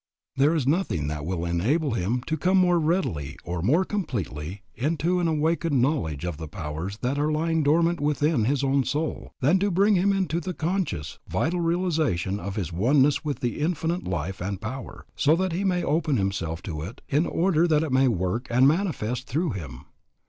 There is nothing that will enable him to come more readily or more completely into an awakened knowledge of the powers that are lying dormant within his own soul, than to bring him into the conscious, vital realization of his oneness with the Infinite Life and Power, so that he may open himself to it in order that it may work and manifest through him.